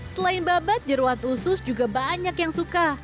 selain babat jeruat usus juga banyak yang suka